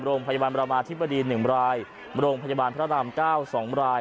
โรงพยาบาลประมาธิบดี๑รายโรงพยาบาลพระราม๙๒ราย